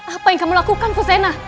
apa yang kamu lakukan fusena